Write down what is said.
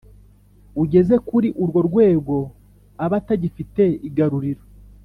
Ugeze kuriurwo rwego aba atagifite igaruriro